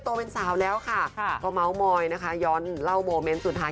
เป็นสาวแล้วค่ะก็เมาส์มอยนะคะย้อนเล่าโมเมนต์สุดท้าย